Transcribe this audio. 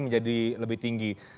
menjadi lebih tinggi